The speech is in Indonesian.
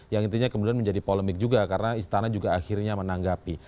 yang intinya kemudian menjadi polemik juga karena istana juga akhirnya menanggapi